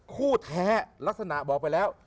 คู่แท้ลักษณะบอกไปแล้ว